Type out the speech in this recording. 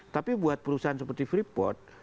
tapi buat perusahaan seperti free port